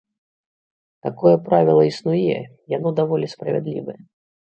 Такое правіла існуе, яно даволі справядлівае.